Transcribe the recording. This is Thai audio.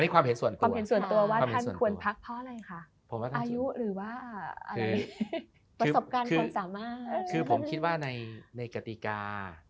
คือผมคิดว่าในกติกา